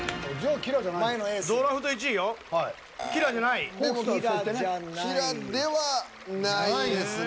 キラではないですね。